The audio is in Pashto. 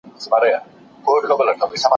د معلوماتو ترتیب د لیکوال په فکر پوري اړه لري.